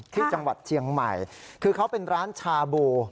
ที่จังหวัดเชียงใหม่คือเขาเป็นร้านชาบู